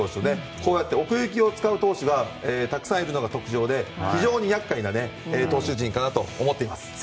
こうやって奥行きを使う投手がたくさんいるのが特徴で非常に厄介な投手陣かなと思っています。